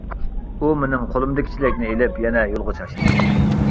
ئۇ مېنىڭ قولۇمدىكى چېلەكنى ئېلىپ يەنە يولغا چاچتى.